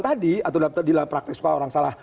tadi atau di dalam praktek sekolah orang salah